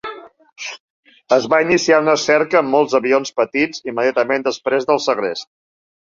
Es va iniciar una cerca amb molts avions petits immediatament després del segrest.